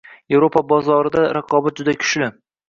Yevropa bozorida raqobat juda kuchli.